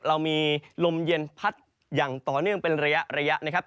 เรามีลมเย็นพัดอย่างต่อเนื่องเป็นระยะนะครับ